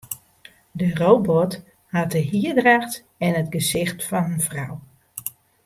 De robot hat de hierdracht en it gesicht fan in frou.